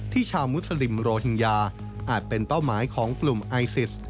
ชาวมุสลิมโรฮิงญาอาจเป็นเป้าหมายของกลุ่มไอซิส